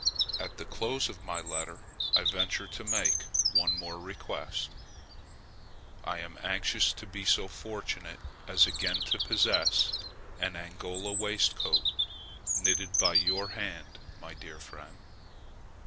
At the close of my letter I venture to make one more request I am anxious to be so fortunate as again to possess an Angola waistcoat knitted by your own hand, my dear friend.